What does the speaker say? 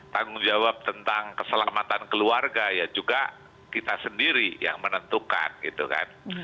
tanggung jawab tentang keselamatan keluarga ya juga kita sendiri yang menentukan gitu kan